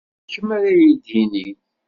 D kemm ara iyi-d-yinin.